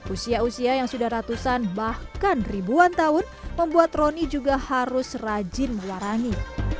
usia usia yang sudah ratusan bahkan ribuan tahun membuat roni juga harus rajin mewarangi